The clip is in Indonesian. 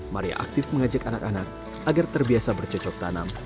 maria aktif mengajak anak anak agar terbiasa bercocok tanam